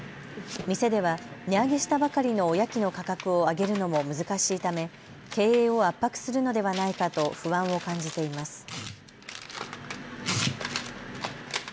店では値上げしたばかりのおやきの価格を上げるのも難しいため経営を圧迫するのではないかと不安を感じています。